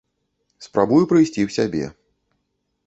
Спрабую прыйсці ў сябе.